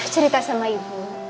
cerita sama ibu